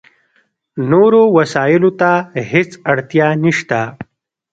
نورو وسایلو ته هېڅ اړتیا نشته.